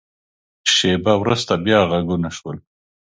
شیبه وروسته، بیا غږونه شول.